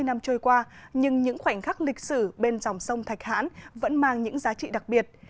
bảy mươi năm trôi qua nhưng những khoảnh khắc lịch sử bên dòng sông thạch hãn vẫn mang những giá trị đặc biệt